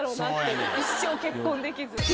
一生結婚できず。